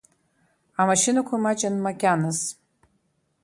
Амашьынақәа маҷын макьаназ.